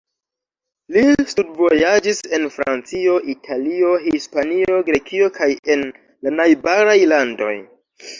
Li studvojaĝis en Francio, Italio, Hispanio, Grekio kaj en la najbaraj landoj.